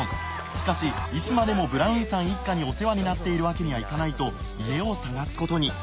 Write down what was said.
しかしいつまでもブラウンさん一家にお世話になってるわけにはいかないと家を探すことに。